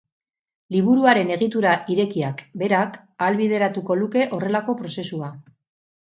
Liburuaren egitura irekiak berak ahalbideratuko luke horrelako prozesua.